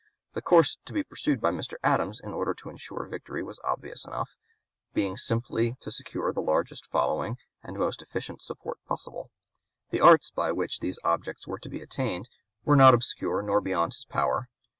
The course to be pursued by Mr. Adams in order to insure victory was obvious enough; being simply to secure the largest following and most efficient support possible. The arts by which these objects were to be attained were not obscure nor beyond his power.